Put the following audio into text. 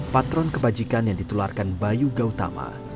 patron kebajikan yang ditularkan bayu gautama